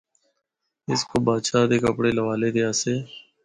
اس کو بادشاہ دے کپڑے لوالے دے آسے۔